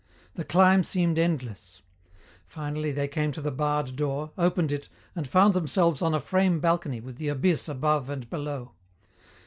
The climb seemed endless. Finally they came to the barred door, opened it, and found themselves on a frame balcony with the abyss above and below.